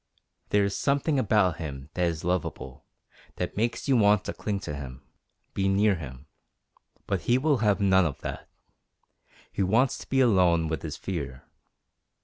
There is something about him that is lovable, that makes you want to cling to him, be near him. But he will have none of that. He wants to be alone with his fear.